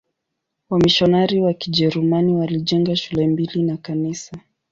Wamisionari wa Kijerumani walijenga shule mbili na kanisa.